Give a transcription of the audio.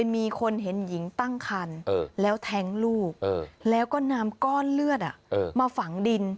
มีคนเห็นหญิงตั้งคันแล้วแท้งลูกแล้วก็นำก้อนเลือดมาฝังดิน